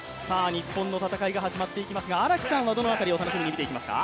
日本の戦いが始まっていきますが、荒木さんはどの辺りを楽しみに見ていきますか。